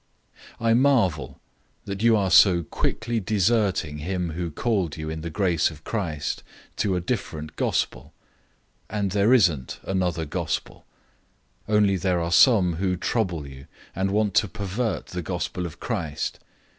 001:006 I marvel that you are so quickly deserting him who called you in the grace of Christ to a different "good news"; 001:007 and there isn't another "good news." Only there are some who trouble you, and want to pervert the Good News of Christ.